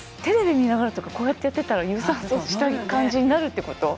見ながらとかこうやってやってたら有酸素した感じになるってこと？